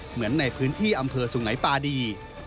เหมือนในพื้นที่อำเภอสุงัยปาดี